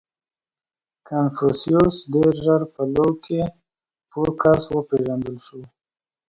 • کنفوسیوس ډېر ژر په لو کې پوه کس وپېژندل شو.